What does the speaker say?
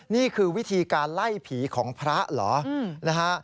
นี่คือวิธีการไล่ผีของพระเหรอนะฮะ